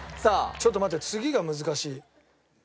ちょっと待って次が難しい。